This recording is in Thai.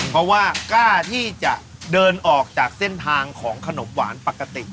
เพราะว่ากล้าที่จะเดินออกจากเส้นทางของขนมหวานปกติ